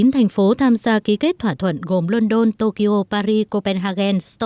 một mươi chín thành phố tham gia ký kết thỏa thuận gồm london tokyo paris copenhagen stockholm sydney